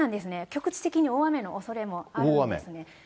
局地的に大雨のおそれもあるんで大雨？